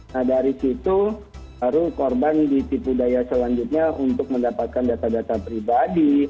nah dari situ baru korban ditipu daya selanjutnya untuk mendapatkan data data pribadi